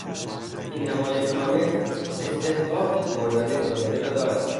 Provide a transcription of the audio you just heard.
این نمایشنامه استحقاق بردن جایزه را دارد.